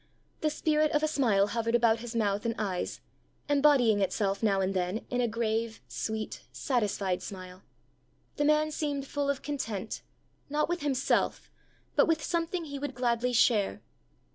The spirit of a smile hovered about his mouth and eyes, embodying itself now and then in a grave, sweet, satisfied smile: the man seemed full of content, not with himself, but with something he would gladly share.